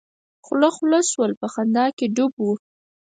خوله خوله شول په خندا کې ډوب وو.